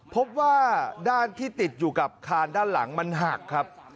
พบว่าด้านที่ติดอยู่กับคานด้านหลังมันหักครับ